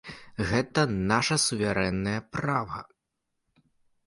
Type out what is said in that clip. Гэта наша суверэннае права.